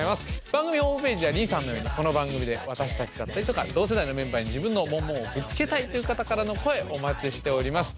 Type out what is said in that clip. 番組ホームページではりんさんのようにこの番組で私たちだったりとか同世代のメンバーに自分のモンモンをぶつけたいという方からの声お待ちしております。